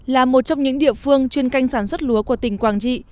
là một trong những địa phương chuyên canh sản xuất lúa của tỉnh quảng trị